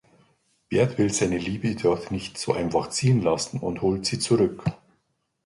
Bert will seine Liebe jedoch nicht so einfach ziehen lassen und holt sie zurück.